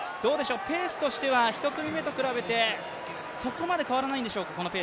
ペースとしては１組目と比べてそこまで変わらないんでしょうか。